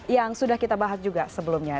yang sudah kita bahas juga sebelumnya